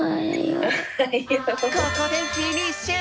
ここでフィニッシュ！